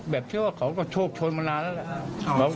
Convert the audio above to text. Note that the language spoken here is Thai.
แบบเชื่อว่าเขาก็โชคโชนมานานแล้วละ